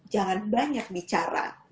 jangan banyak bicara